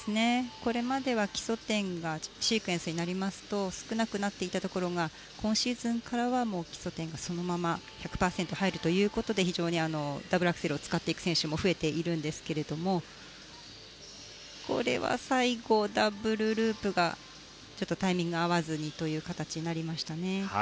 これまでは基礎点がシークエンスになりますと少なくなっていたところが今シーズンからは基礎点がそのまま１００％入るということで非常にダブルアクセルを使っていく選手も増えているんですけどもこれは最後、ダブルループがちょっとタイミングが合わずにという形になりましたね。